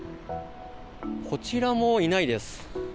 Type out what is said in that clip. こちらもいないです。